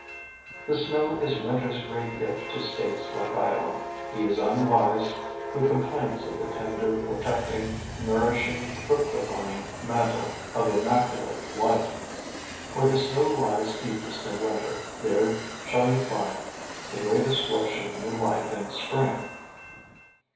The snow is winter's great gift to states like Iowa. He is unwise who complains of the tender, protecting, nourishing, fructifying mantle of immaculate white. Where the snow lies deepest in winter, there shall you find the greatest flush of new life in the spring.